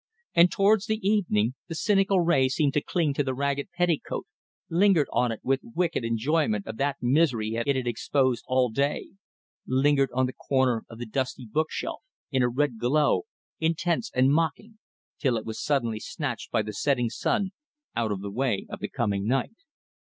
And towards the evening the cynical ray seemed to cling to the ragged petticoat, lingered on it with wicked enjoyment of that misery it had exposed all day; lingered on the corner of the dusty bookshelf, in a red glow intense and mocking, till it was suddenly snatched by the setting sun out of the way of the coming night.